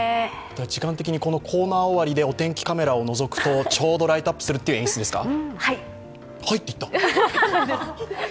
時間的にコーナー終わりで、お天気カメラをのぞくとちょうどライトアップするという演出ですか？